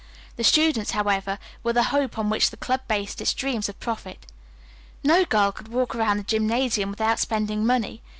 The students, however, were the hope on which the club based its dreams of profit. "No girl could walk around the gymnasium without spending money.